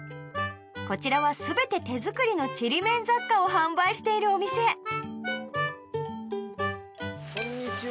こちらは全て手作りのちりめん雑貨を販売しているお店こんにちは。